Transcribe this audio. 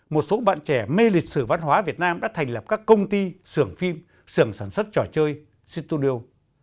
một số bạn trẻ mê lịch sử văn hóa việt nam đã thành lập các công ty sưởng phim sưởng sản xuất trò chơi situdio